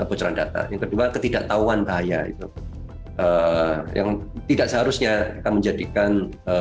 kebocoran data yang kedua ketidaktahuan bahaya itu yang tidak seharusnya akan menjadikan